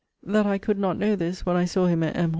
That I could not know this, when I saw him at M.